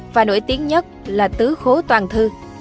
và nổi tiếng nhất là tứ khố toàn thư